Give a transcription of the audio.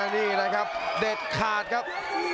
นี่แหละครับเด็ดขาดครับ